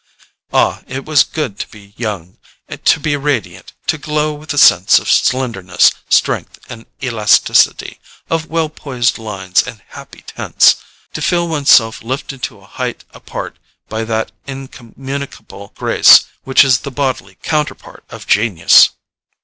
Ah, it was good to be young, to be radiant, to glow with the sense of slenderness, strength and elasticity, of well poised lines and happy tints, to feel one's self lifted to a height apart by that incommunicable grace which is the bodily counterpart of genius!